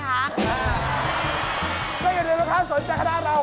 ก็อย่าโดนต้องท้าสมใจท่านาว